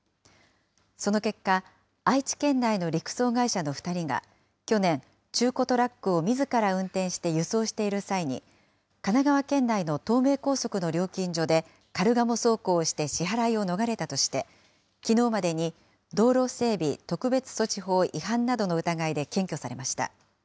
その結果、愛知県内の陸送会社の２人が、去年、中古トラックをみずから運転して輸送している際に、神奈川県内の東名高速の料金所で、カルガモ走行をして支払いを逃れたとして、きのうまでに道路整備特別措置法違反などの疑いで検挙されました。